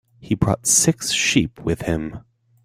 He brought six sheep with him.